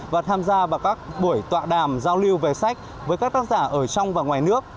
và tham gia vào các buổi tọa đàm giao lưu về sách với các tác giả ở trong và ngoài nước